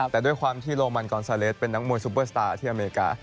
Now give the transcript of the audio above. แต่ด้วยความที่โรมันกอนซาเลสเป็นนักมวยซูเปอร์สตาร์ที่อเมริกา